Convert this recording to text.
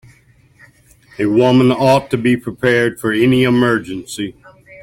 A woman ought to be prepared for any emergency.